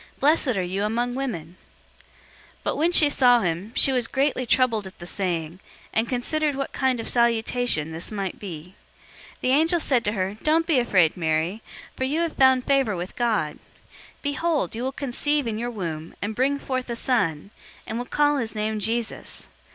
Blessed are you among women!" 001:029 But when she saw him, she was greatly troubled at the saying, and considered what kind of salutation this might be. 001:030 The angel said to her, "Don't be afraid, Mary, for you have found favor with God. 001:031 Behold, you will conceive in your womb, and bring forth a son, and will call his name 'Jesus.'